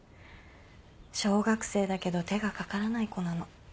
小学生だけど手がかからない子なの。